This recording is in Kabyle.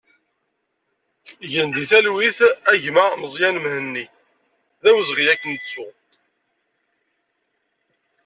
Gen di talwit a gma Mezyani Mhenni, d awezɣi ad k-nettu!